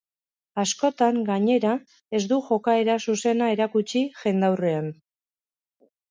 Askotan, gainera, ez du jokaera zuzena erakutsi jendaurrean.